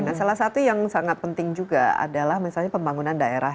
nah salah satu yang sangat penting juga adalah misalnya pembangunan daerah